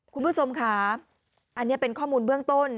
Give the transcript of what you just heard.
คุณผู้ชมค่ะอันนี้เป็นข้อมูลเบื้องต้น